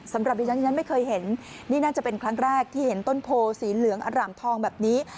สำหรับดิฉันฉันไม่เคยเห็นนี่น่าจะเป็นครั้งแรกที่เห็นต้นโพสีเหลืองอร่ามทองแบบนี้